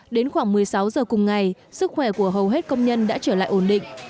đến khoảng một mươi sáu giờ cùng ngày sức khỏe của hầu hết công nhân đã trở lại ổn định